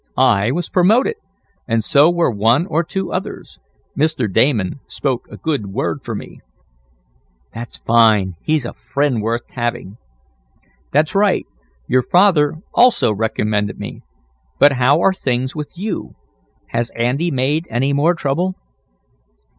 I was promoted, and so were one or two others. Mr. Damon spoke a good word for me." "That's fine! He's a friend worth having." "That's right. Your father also recommended me. But how are things with you? Has Andy made any more trouble?"